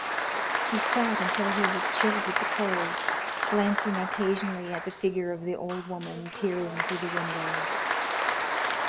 He sat until he was chilled with the cold, glancing occasionally at the figure of the old woman peering through the window.